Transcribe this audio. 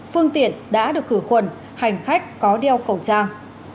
phương tiện đã được khử khuẩn hành khách có đeo khẩu trang